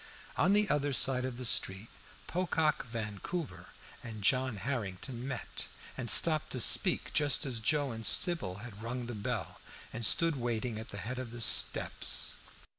On the other side of the street Pocock Vancouver and John Harrington met, and stopped to speak just as Joe and Sybil had rung the bell, and stood waiting at the head of the steps.